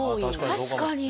確かに！